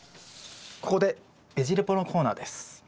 ここでベジ・レポのコーナーです。